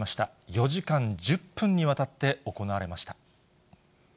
４時間１０分にわたって行われました。